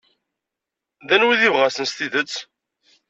Kenwi d ibɣasen s tidet.